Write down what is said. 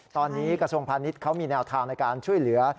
ตอนนี้กระทรวงพาณิชย์เขามีแนวทางในการช่วยเหลือ